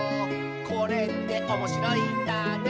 「これっておもしろいんだね」